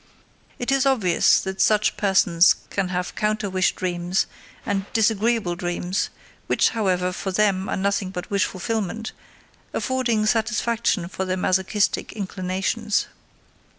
It is obvious that such persons can have counter wish dreams and disagreeable dreams, which, however, for them are nothing but wish fulfillment, affording satisfaction for their masochistic inclinations.